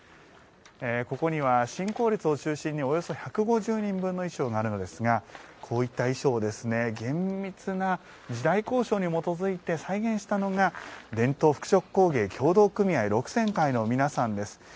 ここには神幸列を中心におよそ１５０人分の衣装があるのですがこういった衣装を、厳密な時代考証に基づいて再現したのが伝統服飾工芸協同組合六選会の皆さんです。